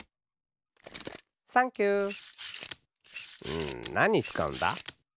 うんなににつかうんだ？